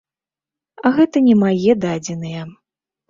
Гэта не мае дадзеныя.